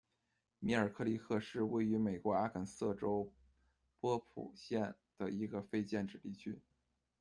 米尔克里克是位于美国阿肯色州波普县的一个非建制地区。